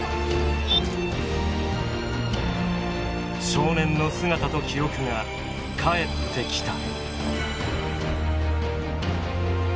少年の姿と記憶が返ってきた。